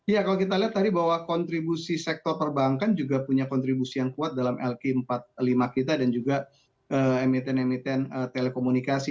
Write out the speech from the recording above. ya kalau kita lihat tadi bahwa kontribusi sektor perbankan juga punya kontribusi yang kuat dalam lk empat puluh lima kita dan juga emiten emiten telekomunikasi